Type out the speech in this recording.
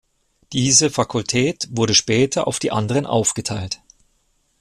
Diese Fakultät wurde später auf die anderen aufgeteilt.